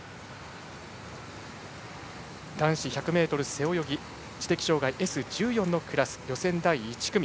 男子１００ｍ背泳ぎ知的障がいＳ１４のクラス予選第１組。